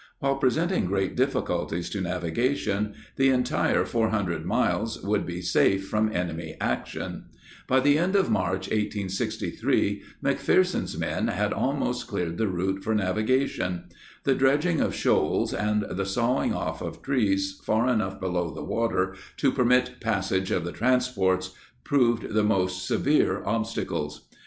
While presenting great difficulties to navigation, the entire 400 miles would be safe from enemy action. By the end of March 1863, McPherson's men had almost cleared the route for navigation. The dredging of shoals and the sawing off of trees far enough below the water to permit passage of the transports proved the most severe obstacles.